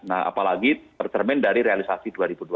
nah apalagi tercermin dari realisasi dua ribu dua puluh